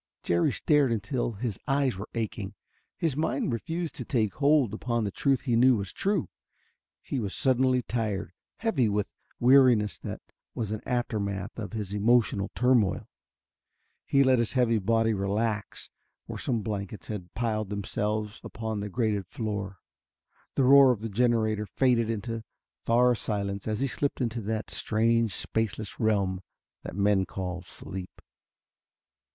Jerry stared until his eyes were aching. His mind refused to take hold upon the truth he knew was true. He was suddenly tired, heavy with weariness that was an aftermath of his emotional turmoil. He let his heavy body relax where some blankets had piled themselves upon the grated floor. The roar of the generator faded into far silence as he slipped into that strange spaceless realm that men call sleep.